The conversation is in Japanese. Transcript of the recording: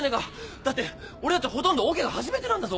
だって俺たちほとんどオケが初めてなんだぞ！？